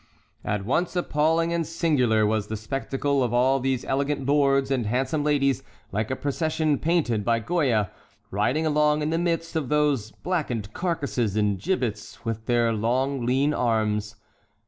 At once appalling and singular was the spectacle of all these elegant lords and handsome ladies like a procession painted by Goya, riding along in the midst of those blackened carcasses and gibbets, with their long lean arms.